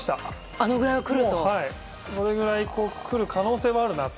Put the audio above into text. あれぐらい来る可能性はあるなって。